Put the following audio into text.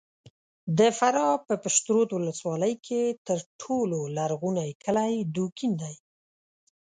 د فراه په پشترود ولسوالۍ کې تر ټولو لرغونی کلی دوکین دی!